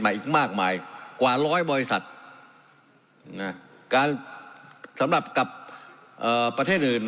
อีกมากมายกว่าร้อยบริษัทการสำหรับกับประเทศอื่น